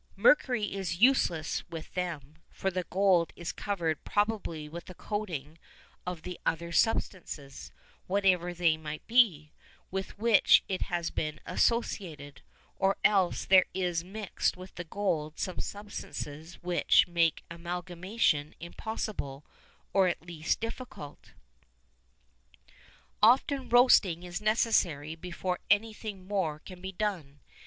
Mercury is useless with them, for the gold is covered probably with a coating of the other substances, whatever they may be, with which it has been associated, or else there is mixed with the gold some substances which make amalgamation impossible, or at least difficult. Often roasting is necessary before anything more can be done.